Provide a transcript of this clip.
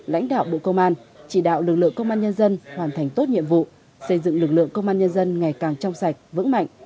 lãnh đạo bộ công an chỉ đạo lực lượng công an nhân dân hoàn thành tốt nhiệm vụ xây dựng lực lượng công an nhân dân ngày càng trong sạch vững mạnh